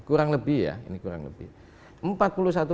kurang lebih ya ini kurang lebih